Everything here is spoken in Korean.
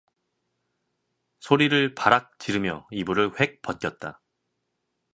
소리를 바락 지르며 이불을 홱 벗겼다.